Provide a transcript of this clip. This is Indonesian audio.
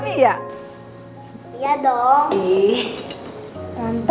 bukan kayak biasa ngelarang abi buat disuapin itu tante